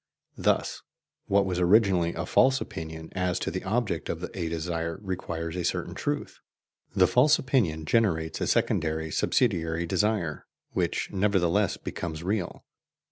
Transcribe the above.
Thus what was originally a false opinion as to the object of a desire acquires a certain truth: the false opinion generates a secondary subsidiary desire, which nevertheless becomes real.